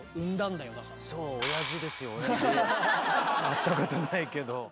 会ったことないけど。